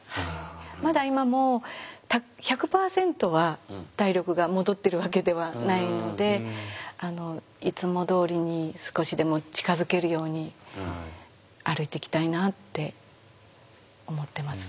まだ今も１００パーセントは体力が戻ってるわけではないのでいつもどおりに少しでも近づけるように歩いていきたいなって思ってます。